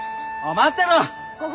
待ってろ！